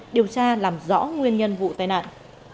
điều tra làm rõ nguyên nhân vụ tài nạn